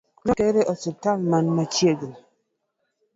Notere osiptal man machiegni